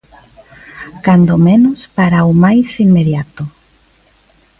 Cando menos para o máis inmediato.